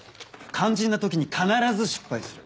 肝心な時に必ず失敗する。